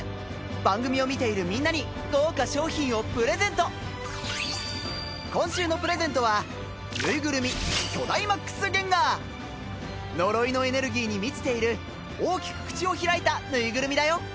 番組を見ているみんなに豪華商品をプレゼント呪いのエネルギーに満ちている大きく口を開いたぬいぐるみだよ。